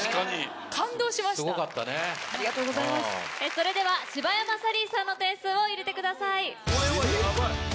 それでは柴山サリーさんの点数を入れてください。